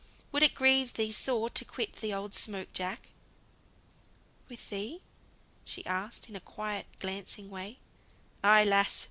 Would it grieve thee sore to quit the old smoke jack?" "With thee?" she asked, in a quiet, glancing way. "Ay, lass!